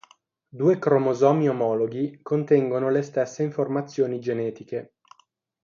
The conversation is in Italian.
Due cromosomi omologhi contengono le stesse informazioni genetiche.